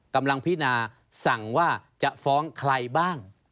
กำลังพินาสั่งว่าจะฟ้องใครบ้าง